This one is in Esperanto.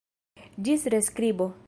Ĝis reskribo!